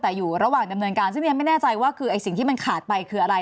แต่อยู่ระหว่างดำเนินการซึ่งเรียนไม่แน่ใจว่าคือไอ้สิ่งที่มันขาดไปคืออะไร